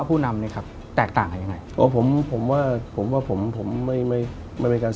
ผมเองกับคุณอุ้งอิ๊งเองเราก็รักกันเหมือนน้อง